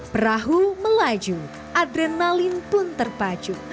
perahu melaju adrenalin pun terpacu